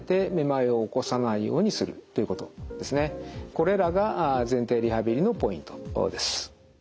これらが前庭リハビリのポイントです。